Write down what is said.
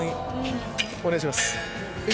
お願いします